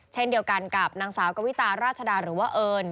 เช่นเดียวกันกับนางสาวกวิตาราชดาหรือว่าเอิญ